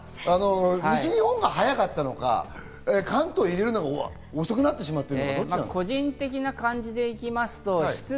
西日本が早かったのか、関東を入れるのが遅くなってしまったのか。